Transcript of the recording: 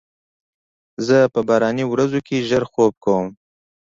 زه په باراني ورځو کې ژر خوب کوم.